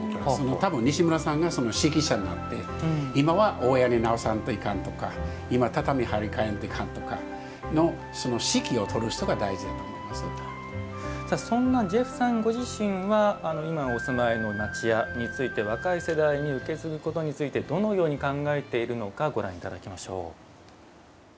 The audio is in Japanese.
多分西村さんがその指揮者になって今は大家に直さんといかんとか今は畳を張り替えんといかんとかそんなジェフさんご自身は今、お住まいの町家について若い世代に受け継ぐことについてどのように考えているのかご覧いただきましょう。